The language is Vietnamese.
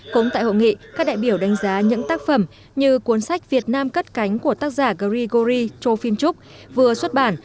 cũng tại hội nghị các đại biểu đánh giá những tác phẩm như cuốn sách việt nam cất cánh của tác giả grigory chofimchuk vừa xuất bản